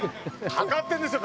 かかってんですよ